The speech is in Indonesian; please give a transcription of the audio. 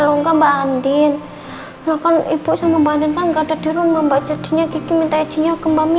sungguh aku sangat mencintainya